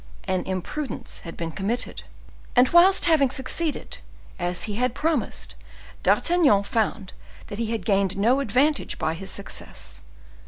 An imprudence had been committed, and, whilst having succeeded, as he had promised, D'Artagnan found that he had gained no advantage by his success.